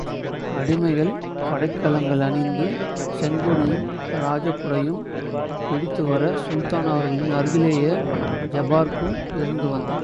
அடிமைகள் படைக்கலங்கள் அணிந்து, செங்கொடியும் ராஜகுடையும் பிடித்துவர சுல்தான் அவர்களின் அருகிலேயே ஜபாரக்கும் இருந்து வந்தான்.